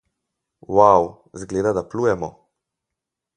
Wau! Zgleda, da plujemo!